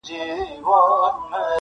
لمر کرار کرار نیژدې سو د غره خواته -